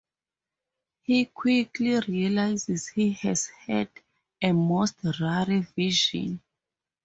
He quickly realizes he has had "a most rare vision".